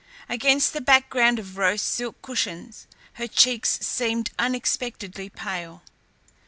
Against the background of rose silk cushions, her cheeks seemed unexpectedly pale.